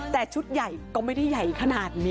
แต่ชุดใหญ่ก็ไม่ได้ใหญ่ขนาดนี้